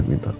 as you set